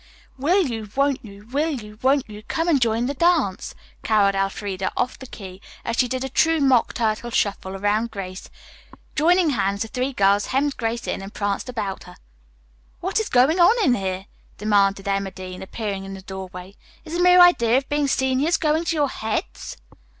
"'Will you, won't you, will you, won't you, Come and join the dance?'" caroled Elfreda off the key, as she did a true mock turtle shuffle around Grace. Joining hands, the three girls hemmed Grace in and pranced about her. "What is going on in here?" demanded Emma Dean, appearing in the doorway. "Is the mere idea of being seniors going to your heads?"